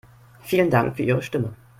Vielen Dank für Ihre Stimme.